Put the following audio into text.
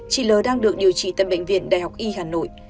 chị l đang được điều trị tại bệnh viện đại học y hà nội